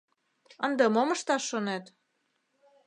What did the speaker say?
Ынде мом ышташ шонет?